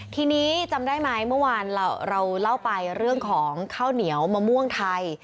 ทีนี้จำได้ไหมเมื่อวานเราเล่าไปเรื่องของข้าวเหนียวมะม่วงไทย